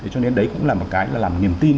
cho nên đấy cũng là một cái là làm niềm tin